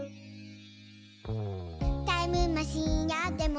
「タイムマシンあっても」